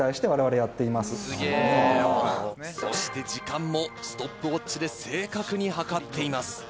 そして時間もストップウオッチで正確に計っています。